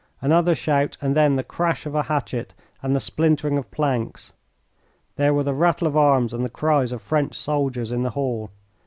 Another shout and then the crash of a hatchet and the splintering of planks. There were the rattle of arms and the cries of French soldiers in the hall.